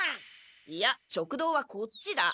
いや食堂はこっちだ。